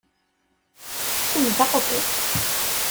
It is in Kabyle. Kemm d aɣbel.